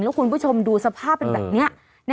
แล้วคุณผู้ชมดูสภาพเป็นแบบนี้